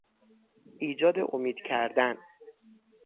ایجاد امید کردن